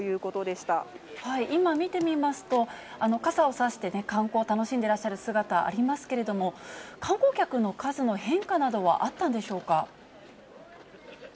今、見てみますと、傘を差して観光を楽しんでらっしゃる姿ありますけれども、観光客の数の変化などはあったんでしょうか。